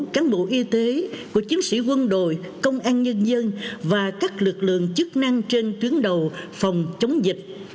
cán bộ y tế của chiến sĩ quân đội công an nhân dân và các lực lượng chức năng trên tuyến đầu phòng chống dịch